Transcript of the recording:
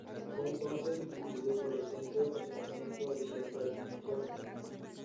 Fue entonces sustituido por el centro de estacionamiento del centro de convenciones.